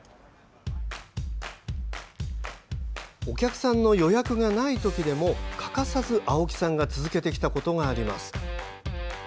お客さんの予約がないときでも、欠かさず青木さんが続けてきたことがあります。